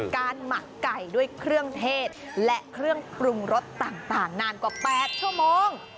หมักไก่ด้วยเครื่องเทศและเครื่องปรุงรสต่างนานกว่า๘ชั่วโมง